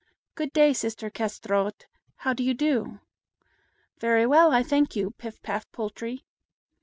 "Good day, sister Kâsetraut. How do you do?" "Very well, I thank you, Pif paf Poltrie."